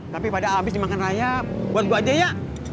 tapi pada habis dimakan raya buat gue aja ya